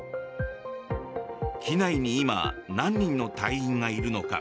機内に今何人の隊員がいるのか。